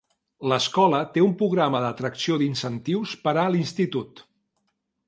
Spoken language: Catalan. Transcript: L'escola té un programa d'atracció d'incentius per a l'institut.